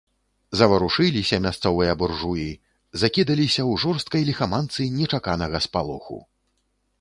Заварушыліся мясцовыя буржуі, закідаліся ў жорсткай ліхаманцы нечаканага спалоху.